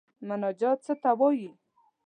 مناجات څه ته وايي.